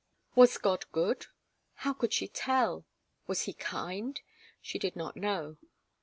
Was God good? How could she tell? Was He kind? She did not know.